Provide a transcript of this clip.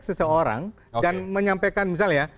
seseorang dan menyampaikan misalnya